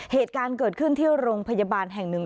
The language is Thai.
เหตุการณ์เกิดขึ้นที่โรงพยาบาลแห่งหนึ่ง